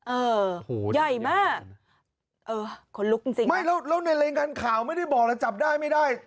เออใหญ่มากเออขนลุกจริงไม่แล้วในเรียนการข่าวไม่ได้บอกละจับได้ไม่ได้